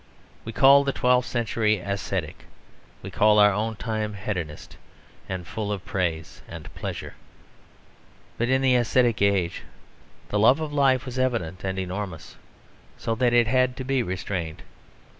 We call the twelfth century ascetic. We call our own time hedonist and full of praise and pleasure. But in the ascetic age the love of life was evident and enormous, so that it had to be restrained.